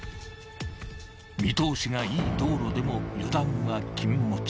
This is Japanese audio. ［見通しがいい道路でも油断は禁物だ］